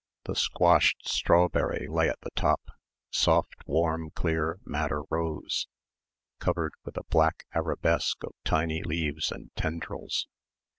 The "squashed strawberry" lay at the top, soft warm clear madder rose, covered with a black arabesque of tiny leaves and tendrils.